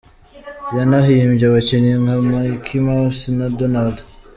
Yanahimbye abakinnyi nka Micey mouse na Donald.